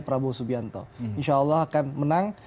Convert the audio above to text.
prabowo subianto insya allah akan menang